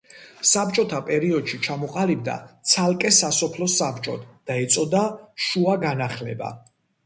საბჭოთა პერიოდში ჩამოყალიბდა ცალკე სასოფლო საბჭოდ და ეწოდა შუა განახლება.